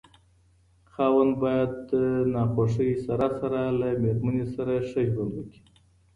خاوند بايد د ناخوښۍ سره سره له ميرمني سره ښه ژوند وکړي